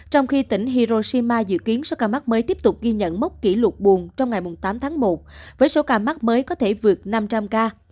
trong khi tỉnh hiroshima dự kiến số ca mắc mới tiếp tục ghi nhận mốc kỷ lục buồn trong ngày tám tháng một với số ca mắc mới có thể vượt năm trăm linh ca